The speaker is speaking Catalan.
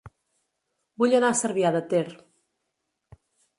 Vull anar a Cervià de Ter